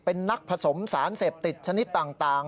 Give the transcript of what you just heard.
เป็นนักผสมสารเสพติดชนิดต่าง